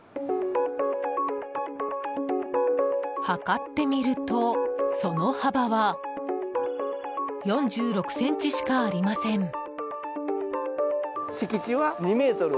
測ってみると、その幅は４６ｃｍしかありません。